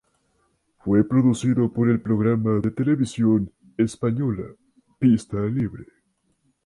Fue producido por el programa de Televisión española "Pista libre".